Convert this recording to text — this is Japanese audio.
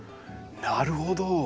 なるほど。